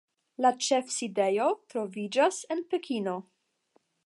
La ĉefsidejo troviĝas en Pekino.